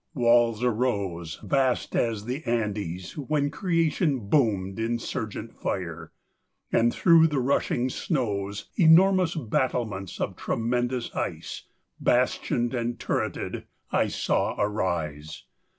Walls arose, Vast as the Andes when creation boomed Insurgent fire; and through the rushing snows Enormous battlements of tremendous ice, Bastioned and turreted, I saw arise.